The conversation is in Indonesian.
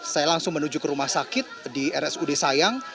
saya langsung menuju ke rumah sakit di rsud sayang